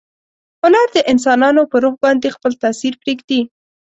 هنر د انسانانو په روح باندې خپل تاثیر پریږدي.